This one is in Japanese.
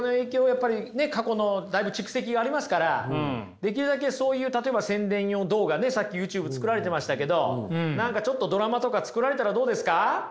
やっぱりね過去のだいぶ蓄積がありますからできるだけそういう例えば宣伝用動画ねさっきＹｏｕＴｕｂｅ作られてましたけど何かちょっとドラマとか作られたらどうですか？